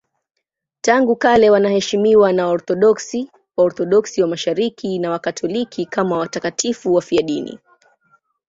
Tangu kale wanaheshimiwa na Waorthodoksi, Waorthodoksi wa Mashariki na Wakatoliki kama watakatifu wafiadini.